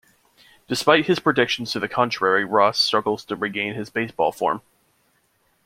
Despite his predictions to the contrary Ross struggles to regain his baseball form.